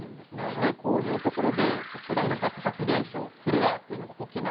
でこういうところで巨大な爆発現象フレアっていうのが起きます。